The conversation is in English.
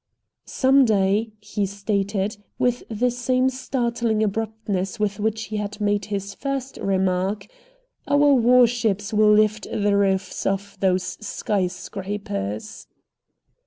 "Some day," he stated, with the same startling abruptness with which he had made his first remark, "our war ships will lift the roofs off those sky scrapers."